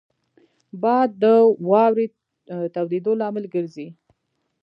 باد د واورې تویېدو لامل ګرځي